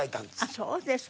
そうですか。